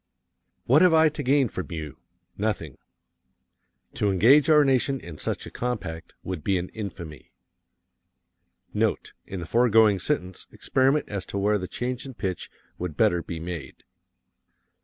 What have I to gain from you? Nothing. To engage our nation in such a compact would be an infamy. Note: In the foregoing sentence, experiment as to where the change in pitch would better be made.